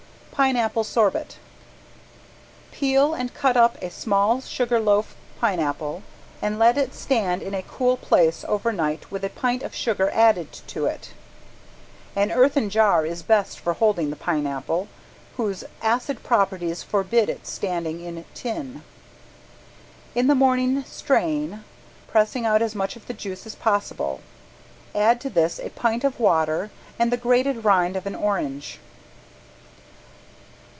~PINEAPPLE SORBET~ Peel and cut up a small sugar loaf pineapple and let it stand in a cool place over night with a pint of sugar added to it. An earthen jar is best for holding the pineapple, whose acid properties forbid its standing in tin. In the morning strain, pressing out as much of the juice as possible. Add to this a pint of water and the grated rind of an orange.